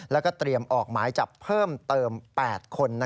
แล้วก็เตรียมออกหมายจับเพิ่มเติม๘คน